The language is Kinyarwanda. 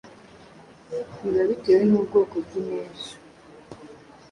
Biba bitewe n’ubwoko bw’inteja,